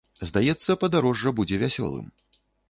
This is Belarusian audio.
Здаецца, падарожжа, будзе вясёлым.